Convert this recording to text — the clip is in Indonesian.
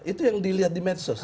itu yang dilihat di medsos